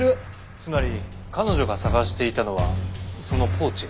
つまり彼女が捜していたのはそのポーチ？